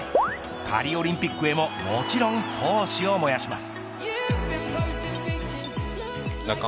パリオリンピックへももちろん闘志を燃やします。